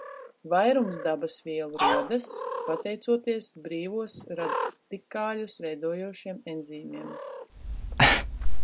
Vairums dabasvielu rodas, pateicoties brīvos radikāļus veidojošiem enzīmiem.